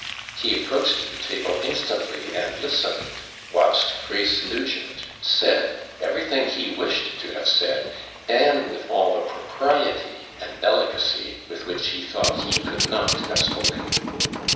He approached the table instantly, and listened, whilst Grace Nugent said everything he wished to have said, and with all the propriety and delicacy with which he thought he could not have spoken.